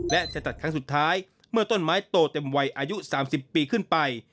และจะตัดครั้งสุดท้ายเมื่อต้นไม้โตเต็มวัยอายุ๓๐ปีขึ้นไป